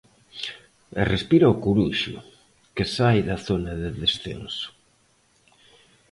E respira o Coruxo, que sae da zona de descenso.